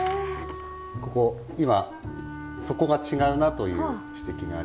ここ今底が違うなという指摘が。